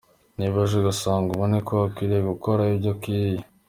Niba aje agusanga ubone ko akwiriye gukora ibyo akwiriye.